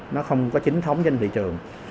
nó không có chính thống trên thị trường